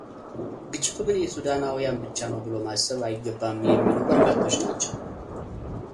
ግጭቱ ግን የሱዳናዊያን ብቻ ነው ብሎ ማሰብ አይገባም የሚሉ በርካቶች ናቸው።